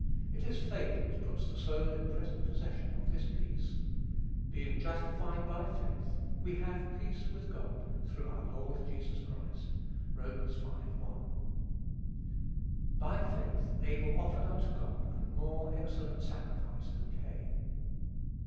It is faith which puts the soul in present possession of this peace. "Being justified by faith, we have peace with God, through our Lord Jesus Christ." (Rom. v. 1.) "By faith Abel offered unto God a more excellent sacrifice than Cain."